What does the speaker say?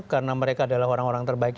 karena mereka adalah orang orang terbaik